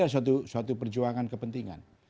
suatu perjuangan kepentingan